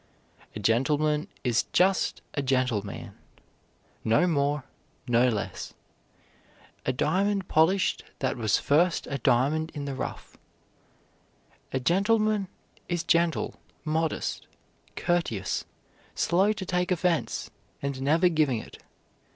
A gentleman is just a gentle man: no more, no less; a diamond polished that was first a diamond in the rough. A gentleman is gentle, modest, courteous, slow to take offense, and never giving it.